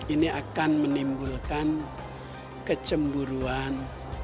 ini akan menimbulkan kecemburuan